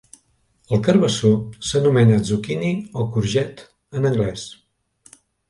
El carbassó s'anomena "zucchini" o "courgette" en anglès